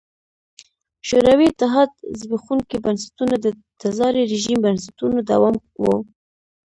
شوروي اتحاد زبېښونکي بنسټونه د تزاري رژیم بنسټونو دوام و.